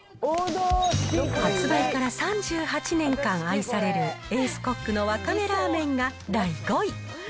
発売から３８年間愛される、エースコックのわかめラーメンが第５位。